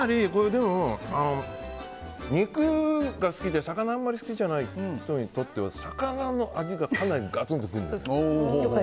でも肉が好きで、魚あまり好きじゃない人にとっては魚の味がかなりガツンとくるんですよ。